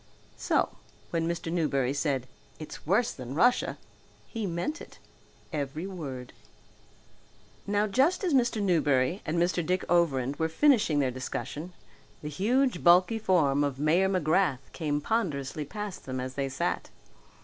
So when Mr. Newberry said "It's worse than Russia!" he meant it, every word. Now just as Mr. Newberry and Mr. Dick Overend were finishing their discussion, the huge bulky form of Mayor McGrath came ponderously past them as they sat.